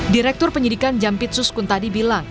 direktur penyidikan jampit suskun tadi bilang